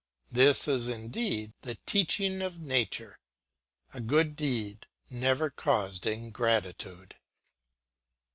This is indeed the teaching of nature; a good deed never caused ingratitude.